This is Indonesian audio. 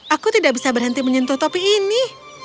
aku tidak bisa berhenti menyentuh topi ini